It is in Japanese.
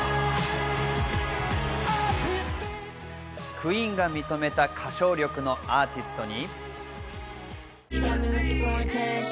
Ｑｕｅｅｎが認めた歌唱力のアーティストに。